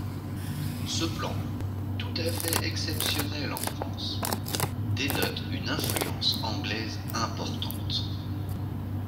Ce plan, tout à fait exceptionnel en France, dénote une influence anglaise importante.